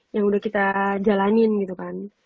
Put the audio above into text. yang udah kita jalanin gitu kan